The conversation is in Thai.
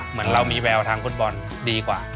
เหมือนเรามีแววทางฟุตบอลดีกว่า